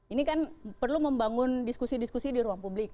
ini kan perlu membangun diskusi diskusi di ruang publik